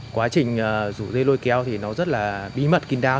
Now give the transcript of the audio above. quá trình rủ dây lôi kéo thì nó rất là bí mật kín đáo